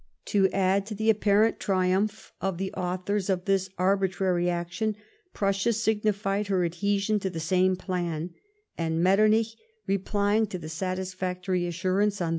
Tcv add to the apparent trium])h of the authors of this arbitrary action Prussia signified her adhesion to the same plan,, and JNIetternich, replying to the satisfactory assurance on.